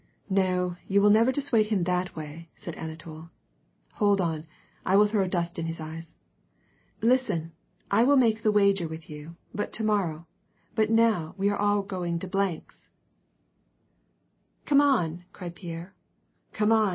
" No, you will never dissuade him that way," said Anatol. "Hold on; I will throw dust in his eyes. Listen, I will make the wager with you, but to morrow ; but now we are all going to ^'s." WAR AND PEACE. 39 Come on," cried Pierre, "Come on!